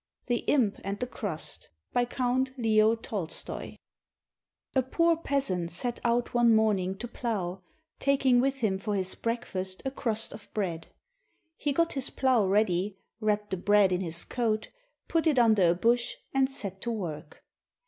THE IMP AND THE CRUST BY COUNT LEO TOLSTOY A POOR peasant set out one morning to plough, taking with him for his breakfast a crust of bread. He got his plough ready, wrapped the bread in his coat, put it un der a bush, and set to work.